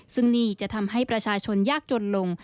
ซึ่งนี่จะทำให้ประชาชนยากจนลง